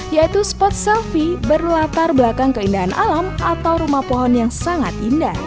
yaitu spot selfie berlatar belakang keindahan alam atau rumah pohon yang sangat indah